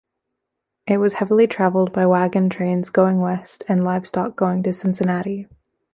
It was heavily traveled by wagon trains going west and livestock going to Cincinnati.